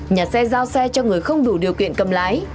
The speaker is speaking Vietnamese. nhà xe giao xe cho người không đủ điều kiện cầm lái